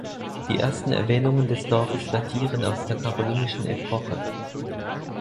Die ersten Erwähnungen des Dorfes datieren aus der karolingischen Epoche.